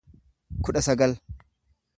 kudha sagal